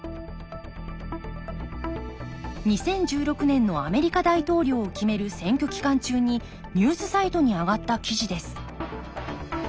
２０１６年のアメリカ大統領を決める選挙期間中にニュースサイトに上がった記事です